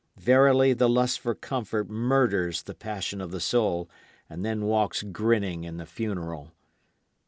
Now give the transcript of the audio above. Verily the lust for comfort murders the passion of the soul, and then walks grinning in the funeral.